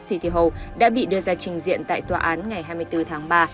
city hal đã bị đưa ra trình diện tại tòa án ngày hai mươi bốn tháng ba